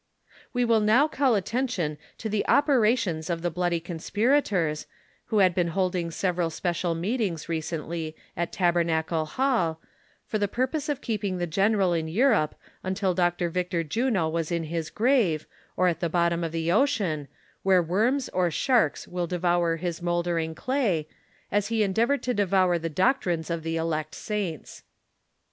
We will now call attention to the operations of the bloody conspirators, who had been holding several special meetings recently at Tabernacle Hall, for the purpose of keeping the general in Europe until Dr. Victor Juno was in his grave, or at the bottom of the ocean, where worms or sharks will devour his mouldering clay, as he endeavored to devour the doctrines of the elect saints.